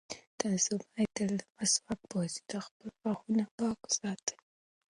تاسو باید تل د مسواک په وسیله خپل غاښونه پاک وساتئ.